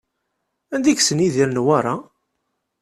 Anda i yessen Yidir Newwara?